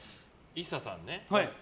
ＩＳＳＡさん